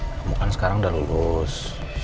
kamu kan sekarang udah lulus